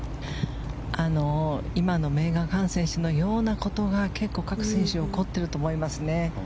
今のメーガン・カン選手のようなことが結構、各選手起こっていると思いますね。